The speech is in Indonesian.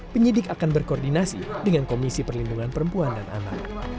penyidik akan berkoordinasi dengan komisi perlindungan perempuan dan anak